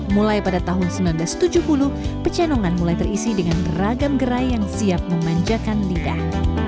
mulai pada tahun seribu sembilan ratus tujuh puluh pecenongan mulai terisi dengan beragam gerai yang siap memanjakan lidah